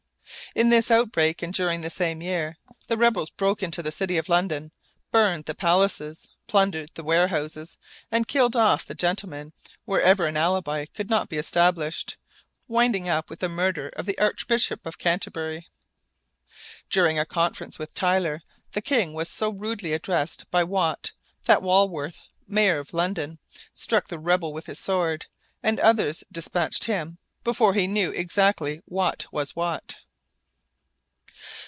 ] In this outbreak, and during the same year, the rebels broke into the city of London, burned the palaces, plundered the warehouses, and killed off the gentlemen wherever an alibi could not be established, winding up with the murder of the Archbishop of Canterbury. During a conference with Tyler, the king was so rudely addressed by Wat, that Walworth, mayor of London, struck the rebel with his sword, and others despatched him before he knew exactly Wat was Wat.